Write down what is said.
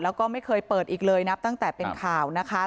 แล้วก็ไม่เคยเปิดอีกเลยนับตั้งแต่เป็นข่าวนะคะ